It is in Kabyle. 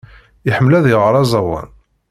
Iḥemmel ad iɣer aẓawan.